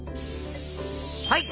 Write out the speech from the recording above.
はい！